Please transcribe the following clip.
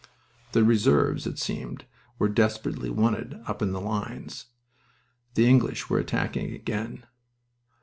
The reserves, it seemed, were desperately wanted up in the lines. The English were attacking again.